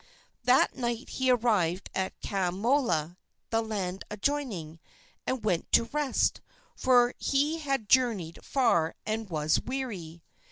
That night he arrived at Kaamola, the land adjoining, and went to rest, for he had journeyed far and was weary.